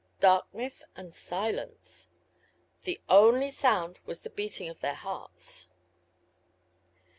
Darkness and silence! The only sound was the beating of their hearts.